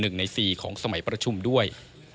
ใน๔ของสมัยประชุมด้วย